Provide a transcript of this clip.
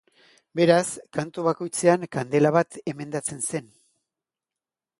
Beraz, kantu bakoitzean kandela bat emendatzen zen.